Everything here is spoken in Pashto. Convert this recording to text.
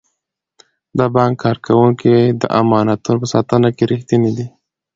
د بانک کارکوونکي د امانتونو په ساتنه کې ریښتیني دي.